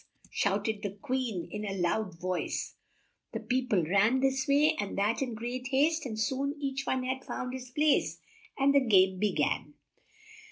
shout ed the Queen in a loud voice, and peo ple ran this way and that in great haste and soon each one had found his place, and the game be gan.